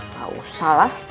gak usah lah